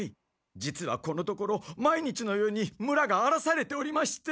実はこのところ毎日のように村があらされておりまして。